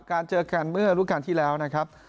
การเจอกันเมื่อลุกการที่แล้วนะครับ